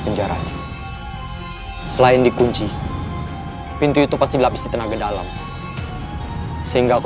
penjara ini selain dikunci pintu itu pasti dilapisi tenaga dalam sehingga aku